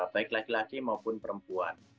baik laki laki maupun perempuan